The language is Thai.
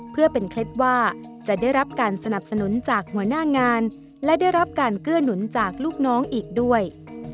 เพื่อเป็นเคล็ดว่าจะได้รับการสนับสนุนจากหัวหน้างานและได้รับการเกื้อหนุนจากลูกน้องอีกด้วย